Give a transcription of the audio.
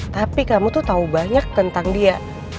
tapi kamu tuh tahu banyak tentang dia